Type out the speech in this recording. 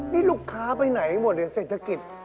นี่ลูกค้าไปไหนหมดหรือเศรษฐกิจ